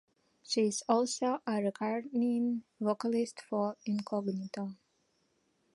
She is also a recurring vocalist for Incognito.